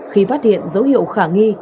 khi phát hiện dấu hiệu khả nghi